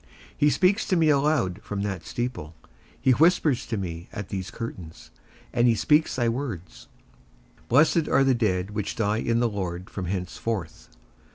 He speaks to me aloud from that steeple; he whispers to me at these curtains, and he speaks thy words: Blessed are the dead which die in the Lord from henceforth.